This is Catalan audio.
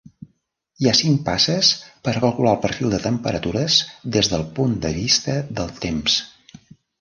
Hi ha cinc passes per a calcular el perfil de temperatures des del punt de vista del temps.